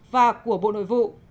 và của bộ nội vụ